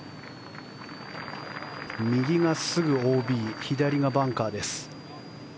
右がすぐＯＢ左はバンカーでした。